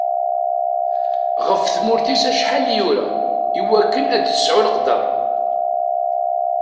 Ɣef tmurt-is acḥal yura, i wakken ad tesɛu leqder.